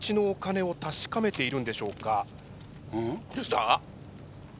どうした？